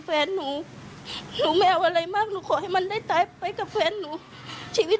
แฟนหนูหนูไม่เอาอะไรมากหนูขอให้มันได้ตายไปกับแฟนหนูชีวิต